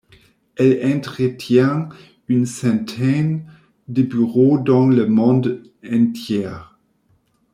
Elle entretient une centaine de bureaux dans le monde entier.